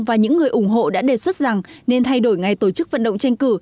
và những người ủng hộ đã đề xuất rằng nên thay đổi ngày tổ chức vận động tranh cử